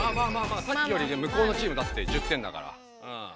さっきよりむこうのチームだって１０点だから。